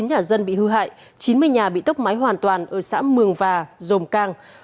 bốn trăm sáu mươi chín nhà dân bị hư hại chín mươi nhà bị tốc máy hoàn toàn ở xã mường và dồm cang